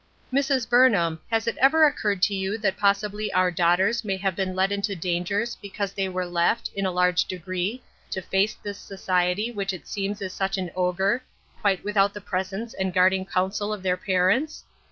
" Mrs. Burnham, has it ever occurred to you that possibly our daughters may have been led into dangers because they were left, in a large degree, to face this society which it seems is such an ogre, quite without the presence and guarding counsel of their parents